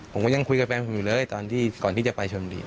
ผมก็ยังคุยกับแฟนผมอยู่เลยตอนที่ก่อนที่จะไปชนบุรี